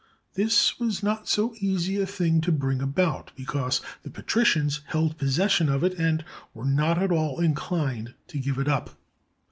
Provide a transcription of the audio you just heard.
This was not so easy a thing to bring about, because the patricians held possession of it and were not at all inclined to give it up.